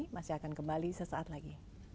masih akan kembali sesaat lagi